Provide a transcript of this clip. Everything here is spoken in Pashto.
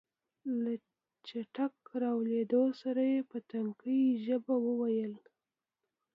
له چټک راتاوېدو سره يې په ټکنۍ ژبه وويل.